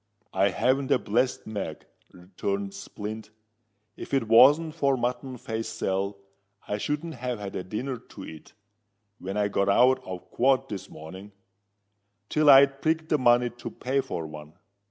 "I haven't a blessed mag," returned Splint. "If it wasn't for Mutton Face Sal, I shouldn't have had a dinner to eat, when I got out of quod this morning, till I'd prigged the money to pay for one.